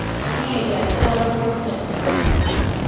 তিনি এই দায়িত্বপালন করেছেন।